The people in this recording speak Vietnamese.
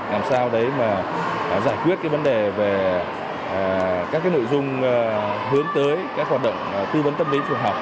làm sao để giải quyết vấn đề về các nội dung hướng tới các hoạt động tư vấn tâm lý trường học